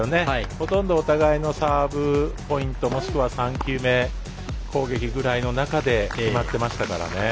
ほとんどお互いのサーブポイントもしくは３球目攻撃くらいの中で決まっていましたからね。